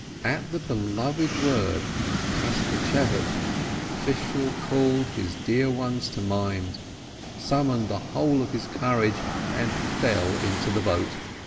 At the beloved word "Chasch tschevate/' Fishel called his dear ones to mind, sum moned the whole of his courage, and fell into the boat.